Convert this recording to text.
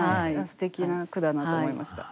すてきな句だなと思いました。